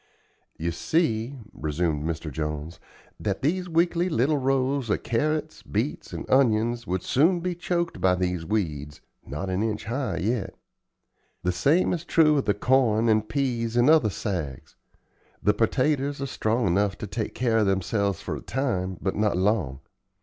"You see," resumed Mr. Jones, "that these weakly little rows of carrots, beets, and onions would soon be choked by these weeds, not an inch high yet. The same is true of the corn and peas and other sags. The pertaters are strong enough to take care of themselves for a time, but not long.